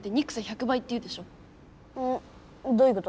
どういうこと？